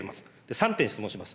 ３点質問します。